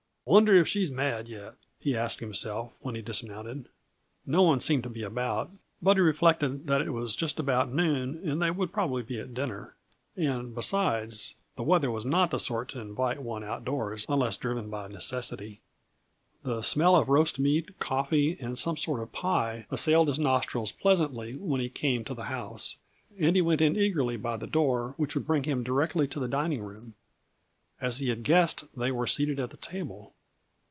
"Wonder if she's mad yet," he asked himself, when he dismounted. No one seemed to be about, but he reflected that it was just about noon and they would probably be at dinner and, besides, the weather was not the sort to invite one outdoors unless driven by necessity. The smell of roast meat, coffee and some sort of pie assailed his nostrils pleasantly when he came to the house, and he went in eagerly by the door which would bring him directly to the dining room. As he had guessed, they were seated at the table.